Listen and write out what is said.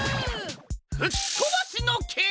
ふきとばしのけい！